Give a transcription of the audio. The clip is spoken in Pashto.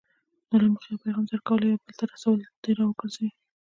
نو له موخې او پیغام درک کولو او یا بل ته رسولو دې راګرځوي.